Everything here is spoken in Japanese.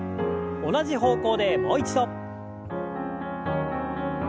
同じ方向でもう一度。